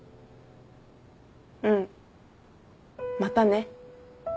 うん。またね。